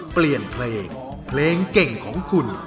เปลี่ยนเพลงเพลงเก่งของคุณ